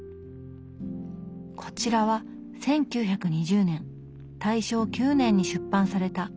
こちらは１９２０年大正９年に出版された「ピノチヨ」。